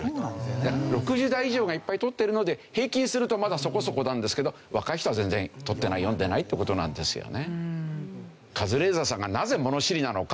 ６０代以上がいっぱいとってるので平均するとまだそこそこなんですけど若い人は全然とってない読んでないって事なんですよね。